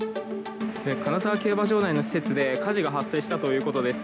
金沢競馬場内の施設で火事が発生したということです。